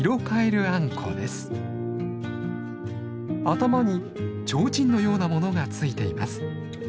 頭にちょうちんのようなものが付いています。